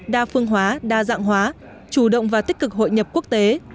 đa phương hóa đa dạng hóa chủ động và tích cực hội nhập quốc tế